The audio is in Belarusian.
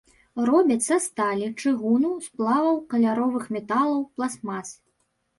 Робяць са сталі, чыгуну, сплаваў каляровых металаў, пластмас.